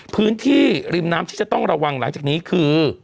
พื้นที่ริมน้ำที่จะต้องระวังหลังจากนี้คือ